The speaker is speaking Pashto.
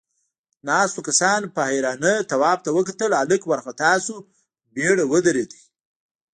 ناستو کسانوپه حيرانۍ تواب ته وکتل، هلک وارخطا شو، په بيړه ودرېد.